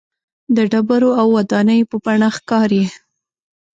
د ډبرو او ودانیو په بڼه ښکاري.